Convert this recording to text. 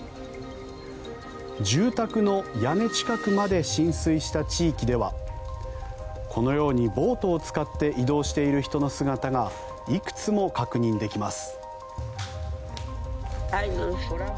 住宅の屋根近くまで浸水した地域ではこのようにボートを使って移動している人の姿がいくつも確認できます。